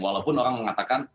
walaupun orang mengatakan